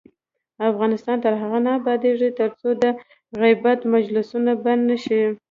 افغانستان تر هغو نه ابادیږي، ترڅو د غیبت مجلسونه بند نشي.